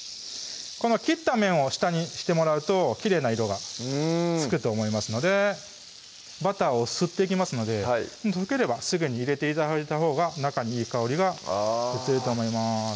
切った面を下にしてもらうときれいな色がつくと思いますのでバターを吸っていきますので溶ければすぐに入れて頂いたほうが中にいい香りが移ると思います